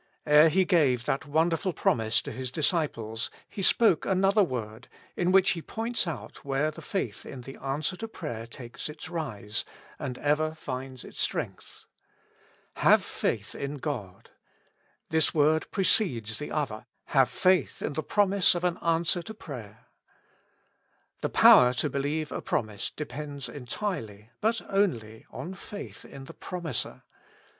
Ere He gave that wonderful promise to His disciples, He spoke another word, in which He points out where the faith in the answer to prayer takes its rise, and ever finds its strength. Have faith in God : this word precedes the other, Have faith in the pro mise of an answer to prayer. The power to believe a promise depends entirely, but only, on faith in ike promiser.